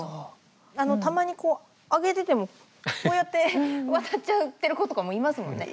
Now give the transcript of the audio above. たまに上げててもこうやって渡っちゃってる子もいますもんね。